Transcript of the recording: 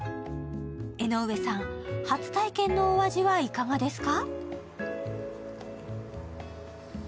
江上さん、初体験のお味はいかがですか？